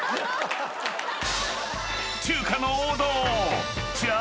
［中華の王道］